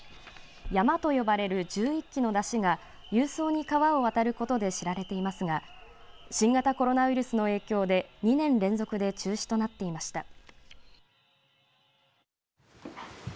山笠と呼ばれる１１基の山車が勇壮に川を渡ることで知られていますが新型コロナウイルスの影響で２年連続で中止となっていました。